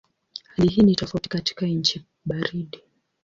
Hali hii ni tofauti katika nchi baridi.